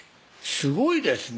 すごいですね